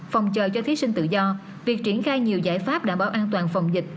phòng chờ cho thí sinh tự do việc triển khai nhiều giải pháp đảm bảo an toàn phòng dịch